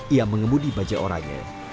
ia mengemudi bajai orangnya